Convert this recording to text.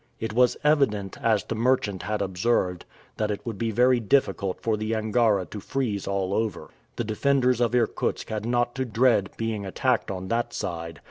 It was evident, as the merchant had observed, that it would be very difficult for the Angara to freeze all over. The defenders of Irkutsk had not to dread being attacked on that side.